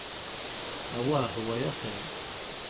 Awah, wayi axir.